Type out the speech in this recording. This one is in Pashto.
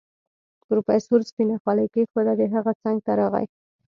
پروفيسر سپينه خولۍ کېښوده د هغه څنګ ته راغی.